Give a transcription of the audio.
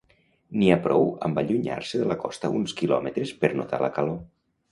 N'hi ha prou amb allunyar-se de la costa uns quilòmetres per notar la calor.